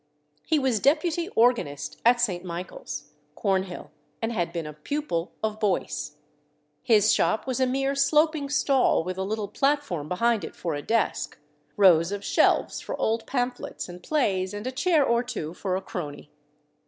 He was deputy organist at St. Michael's, Cornhill, and had been a pupil of Boyce. His shop was a mere sloping stall, with a little platform behind it for a desk, rows of shelves for old pamphlets and plays, and a chair or two for a crony.